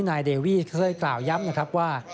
นายเดวี่เคยกล่าวย้ำนะครับว่า